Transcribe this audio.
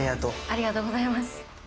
ありがとうございます。